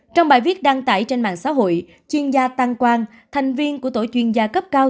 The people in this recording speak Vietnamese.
trong bài viết đăng tải trên mạng xã hội chuyên gia tăng quang thành viên của tổ chuyên gia cấp cao